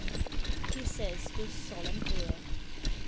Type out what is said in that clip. lie says with solemn air.